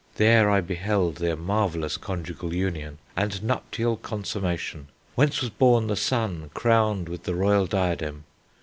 There I beheld their marvellous conjugal union and nuptial consummation, whence was born the son crowned with the royal diadem.